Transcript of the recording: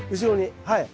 はい。